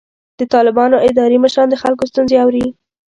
د طالبانو اداري مشران د خلکو ستونزې اوري.